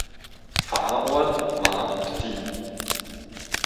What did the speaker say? Pfarrort war Ptin.